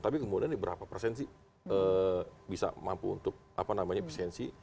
tapi kemudian berapa persen sih bisa mampu untuk efisiensi